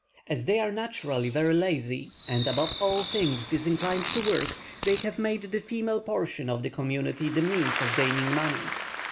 As they are naturally very lazy, and above all things disinclined to work, they have made the female portion of the community the means of gaining money.